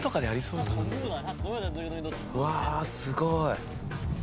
うわあすごい。